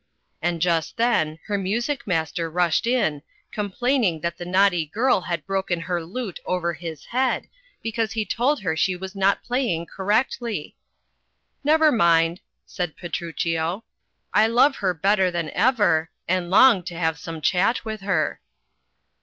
And just then her music master rushed in, complaining that the naughty girl had broken her lute over his head, because he told her she was not playing correctly. "Never mind,*' said Petruchio,'* "I love her better than ever, and long to have some chat with her."